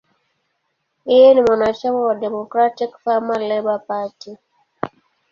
Yeye ni mwanachama wa Democratic–Farmer–Labor Party.